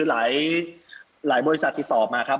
หลายบริษัทติดต่อมาครับ